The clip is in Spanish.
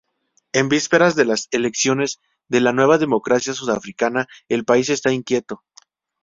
En vísperas de las elecciones de la nueva democracia sudafricana, el país está inquieto.